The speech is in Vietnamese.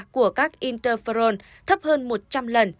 của các interferon thấp hơn một trăm linh lần